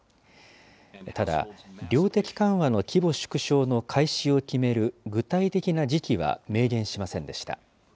ただ、量的緩和の規模縮小の開始を決める具体的な時期は明言しませんでした。